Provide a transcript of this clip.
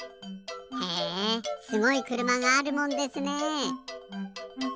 へえすごいくるまがあるもんですね。